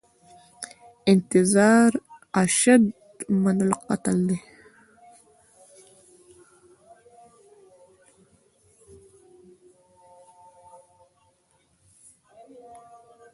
انتظار اشد من القتل دی